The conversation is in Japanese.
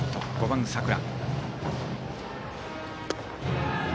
４番、佐倉。